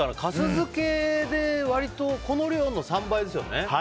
粕漬けで割りとこの量の３倍ですよね。